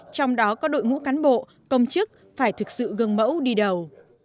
trong đó có đội ngũ cán bộ công chức phải thực sự gương mẫu đi đầu